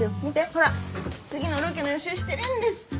見てほら次のロケの予習してるんです。